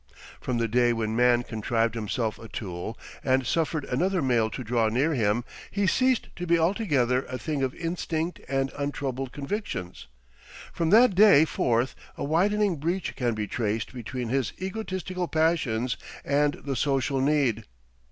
From the day when man contrived himself a tool and suffered another male to draw near him, he ceased to be altogether a thing of instinct and untroubled convictions. From that day forth a widening breach can be traced between his egotistical passions and the social need.